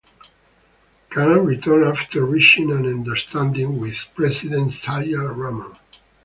Khan return after reaching an "understanding" with President Ziaur Rahman.